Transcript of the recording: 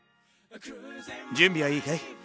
準備はいいかい？